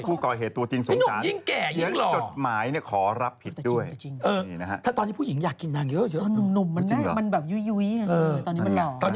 พูดกรอยเหตุตัวจริงสงสาร